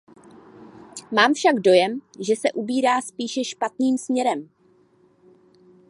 Mám však dojem, že se ubírá spíše špatným směrem.